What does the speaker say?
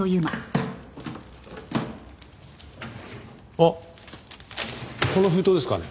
あっこの封筒ですかね？